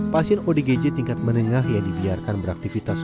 pasien odgj tingkat menengah yang dibiarkan beraktivitas